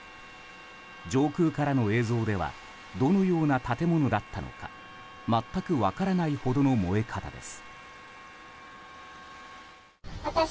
上空からの映像ではどのような建物だったのか全く分からないほどの燃え方です。